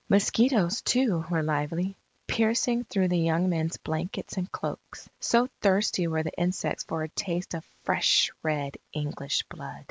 Mosquitoes, too, were lively, piercing through the young men's blankets and cloaks, so thirsty were the insects for a taste of fresh, red English blood.